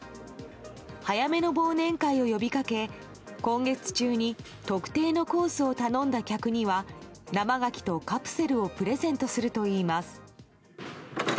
早めの忘年会を呼びかけ今月中に特定のコースを頼んだ客には生ガキとカプセルをプレゼントするといいます。